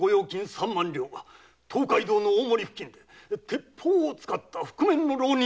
三万両が東海道の大森付近で鉄砲を使った覆面の浪人集団に強奪されました。